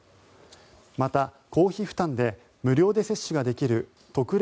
また、公費負担で無料で接種ができる特例